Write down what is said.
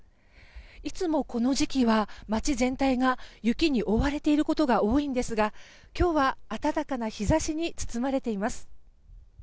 いつも、この時期は街全体が雪に覆われていることが多いんですが今日は暖かな日差しに包まれています。